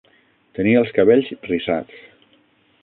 Tenia els cabells rissats